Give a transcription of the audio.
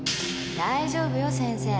大丈夫よ先生。